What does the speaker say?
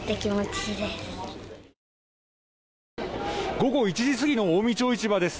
午後１時過ぎの近江町市場です。